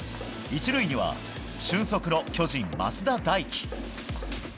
１塁には瞬足の巨人、増田大輝。